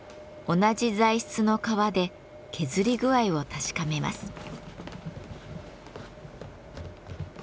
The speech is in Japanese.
同じ材質の革で削り具合を確かめます。